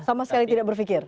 sama sekali tidak berfikir